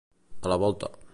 A la volta.